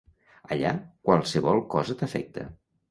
Allà, qualsevol cosa t’afecta.